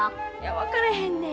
分からへんねん。